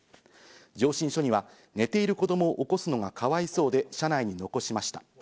上申書には寝ている子供を起こすのがかわいそうで車内に残しました。